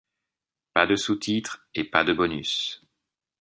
Pas de sous-titres et pas de bonus.